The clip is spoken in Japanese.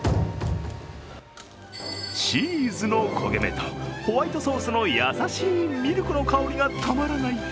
チーズの焦げ目とホワイトソースの優しいミルクの香りがたまらない